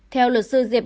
theo luật sư diệp năm